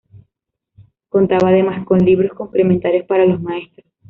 Contaba además con libros complementarios para los maestros.